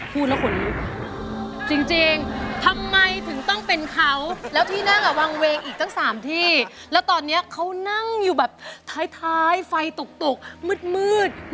พูดแล้วขนลุกจริงทำไมถึงต้องเป็นเขาแล้วที่นั่งอ่ะวางเวงอีกตั้ง๓ที่แล้วตอนนี้เขานั่งอยู่แบบท้ายไฟตกมืด